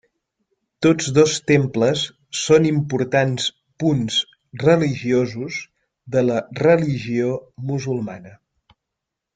Tots dos temples són importants punts religiosos de la religió musulmana.